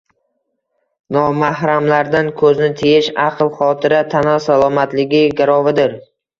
Nomahramlardan ko‘zni tiyish aql, xotira, tana salomatligi garovidir.